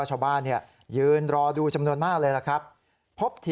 ชาวบ้านยืนรอดูจำนวนมากเลยล่ะครับ